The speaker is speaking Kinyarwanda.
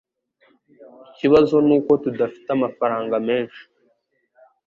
Ikibazo nuko tudafite amafaranga menshi.